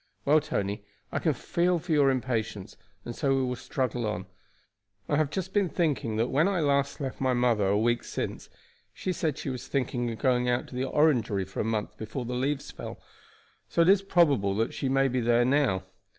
"Well, Tony, I can feel for your impatience, and so we will struggle on. I have just been thinking that when I last left my mother a week since she said she was thinking of going out to the Orangery for a month before the leaves fell, so it is probable that she may be there now.